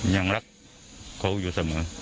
ยังรักเขาอยู่เสมอ